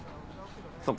そっか。